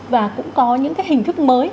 và cũng có những cái hình thức mới